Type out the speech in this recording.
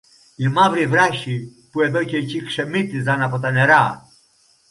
οι μαύροι βράχοι, που εδώ κι εκεί ξεμύτιζαν από τα νερά